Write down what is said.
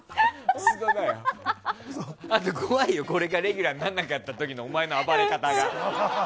あと怖いよ、これがレギュラーにならなかった時のお前の暴れ方が。